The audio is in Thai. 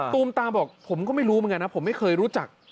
ตูมตามบอกผมก็ไม่รู้เหมือนกันนะผมไม่เคยรู้จัก